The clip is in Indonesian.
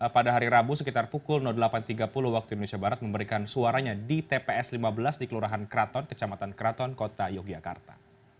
pada hari rabu sekitar pukul delapan tiga puluh waktu indonesia barat memberikan suaranya di tps lima belas di kelurahan kraton kecamatan kraton kota yogyakarta